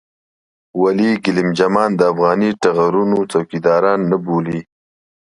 ولې ګېلم جمان د افغاني ټغرونو څوکيداران نه بولې.